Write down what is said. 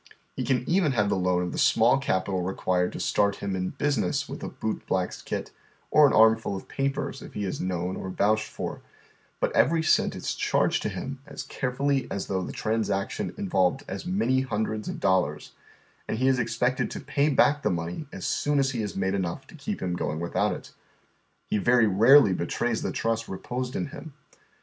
He can even have the loan of the small capital required to start him in business with a boot black's kit, or an armful of papers, if he is known or vouched for ; but every cent is charged to hiin as carefully as tlioiigii the transaction involved as many hundreds of dollars, and he is expected to pay back the money as soon as he lias made enougii to keep him going without it. He very rarely betrays the tnist I'e posed in him.